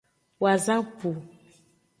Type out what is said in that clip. Wazapu.